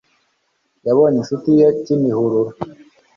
yabonye inshuti ye kimihurura